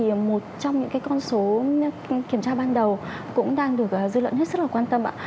thì một trong những con số kiểm tra ban đầu cũng đang được dư luận hết sức là quan tâm ạ